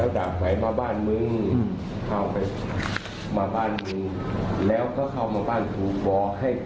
สุดท้ายตำรวจมาควบคุมตัวเนี่ยทำลายหลักฐานหมดแล้วแค่เห็นเท่านั้นแต่ไม่ได้เกี่ยวข้อง